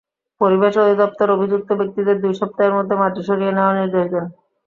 পরিবেশ অধিদপ্তর অভিযুক্ত ব্যক্তিদের দুই সপ্তাহের মধ্যে মাটি সরিয়ে নেওয়ার নির্দেশ দেয়।